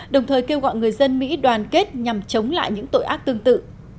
đồng thời kêu gọi người dân mỹ đoàn kết nhằm chống lại những tội ác tương tự